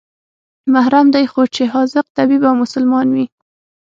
محرم دى خو چې حاذق طبيب او مسلمان وي.